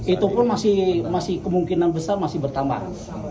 itu pun masih kemungkinan besar masih bertambah